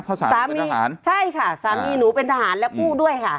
เพราะสามีหนูเป็นทหารใช่ค่ะสามีหนูเป็นทหารและกู้ด้วยค่ะ